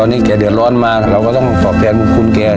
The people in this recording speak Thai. ตอนนี้แกเดือดร้อนมาเราก็ต้องตอบแทนบุญคุณแก